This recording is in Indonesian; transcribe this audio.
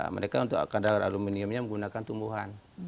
mereka untuk kadar aluminiumnya menggunakan tumbuhan